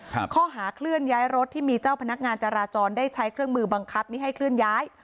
ข้อหาเคลื่อนย้ายรถที่มีเจ้าพนักงานจราจรได้ใช้เครื่องมือบังคับนี้ให้เคลื่อนย้าย